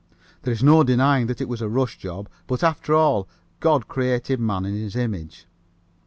There is no denying that it was a rush job. But, after all, God created man in His image.